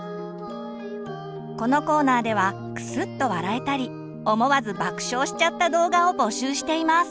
このコーナーではクスッと笑えたり思わず爆笑しちゃった動画を募集しています。